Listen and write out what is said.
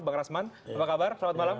bang rasman apa kabar selamat malam